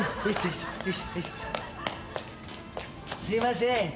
すいません。